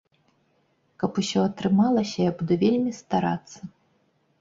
Каб усё атрымалася, я буду вельмі старацца.